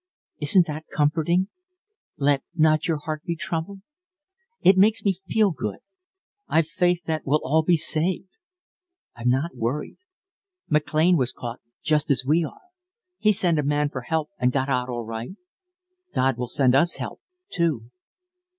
Isn't that comforting? 'Let not your heart be troubled.' It makes me feel good. I've faith that we'll all be saved. I'm not worried. McLean was caught just as we are. He sent a man for help and got out all right. God will send us help, too."